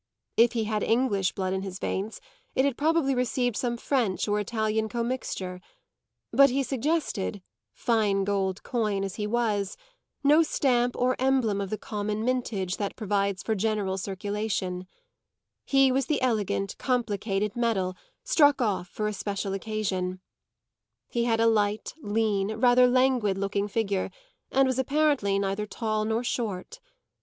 If he had English blood in his veins it had probably received some French or Italian commixture; but he suggested, fine gold coin as he was, no stamp nor emblem of the common mintage that provides for general circulation; he was the elegant complicated medal struck off for a special occasion. He had a light, lean, rather languid looking figure, and was apparently neither tall nor short.